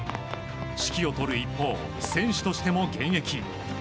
指揮を執る一方選手としても現役。